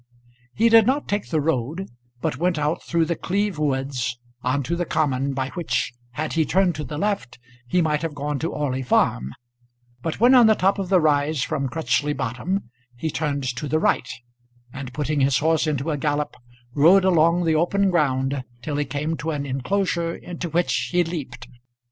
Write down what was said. He did not take the road, but went out through The Cleeve woods, on to the common, by which, had he turned to the left, he might have gone to Orley Farm; but when on the top of the rise from Crutchley Bottom he turned to the right, and putting his horse into a gallop, rode along the open ground till he came to an enclosure into which he leaped.